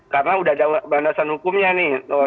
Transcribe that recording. karena sudah ada bandasan hukumnya nih